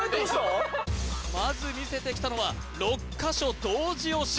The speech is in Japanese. まず見せてきたのは６カ所同時押し